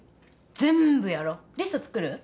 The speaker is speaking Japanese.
全部やろうリスト作る？